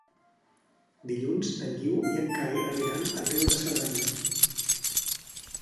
Dilluns en Guiu i en Cai aniran a Riu de Cerdanya.